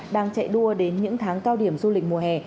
đang chạy đua đến những tháng cao điểm du lịch mùa hè